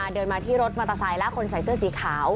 เดินมาที่รถมอเตอร์ไซค์และคนใส่เสื้อสีขาว